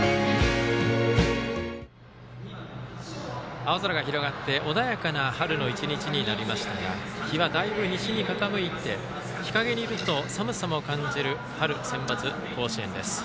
青空が広がって穏やかな春の１日になりましたが日はだいぶ西に傾いて日陰にいると、寒さも感じる春センバツ甲子園です。